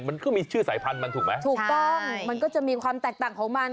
มันก็มีชื่อสายพันธุ์มันถูกไหมถูกต้องมันก็จะมีความแตกต่างของมัน